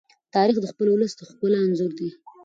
تاریخ د خپل ولس د ښکلا انځور دی.